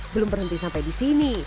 belum berhenti sampai di sini